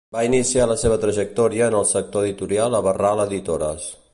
Va iniciar la seva trajectòria en el sector editorial a Barral Editores.